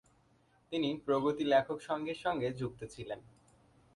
তিনি প্রগতি লেখক সংঘের সঙ্গে যুক্ত ছিলেন।